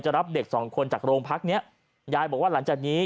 รับเด็กสองคนจากโรงพักเนี้ยยายบอกว่าหลังจากนี้